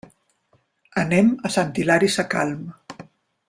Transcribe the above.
Anem a Sant Hilari Sacalm.